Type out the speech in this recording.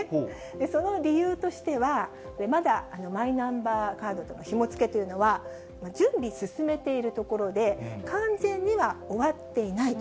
その理由としては、まだマイナンバーカードとのひも付けというのは、準備進めているところで、完全には終わっていないと。